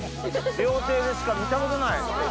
料亭でしか見たことない。